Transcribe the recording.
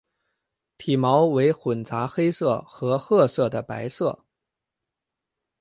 体毛为混杂黑色和褐色的白色。